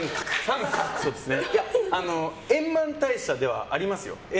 円満退社ではありますよ。